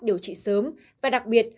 điều trị sớm và đặc biệt